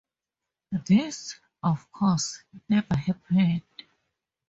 This, of course, never happened.